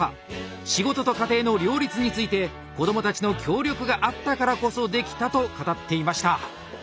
仕事と家庭の両立について子供たちの協力があったからこそできたと語っていました。